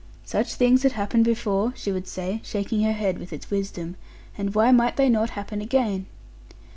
'Such things had happened before,' she would say, shaking her head with its wisdom, 'and why might they not happen again?